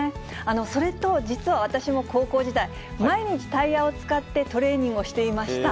それと実は私も高校時代、毎日、タイヤを使ってトレーニングをしていました。